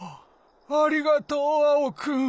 ありがとうアオくん！